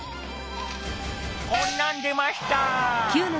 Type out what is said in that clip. こんなん出ました。